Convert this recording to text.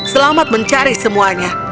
selamat mencari semuanya